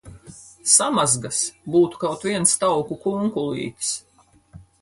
Samazgas! Būtu kaut viens tauku kunkulītis!